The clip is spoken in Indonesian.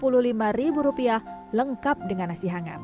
soto ini juga berisi daging sapi dengan kuah santan